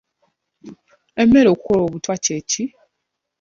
Emmere okukola obutwa kye ki?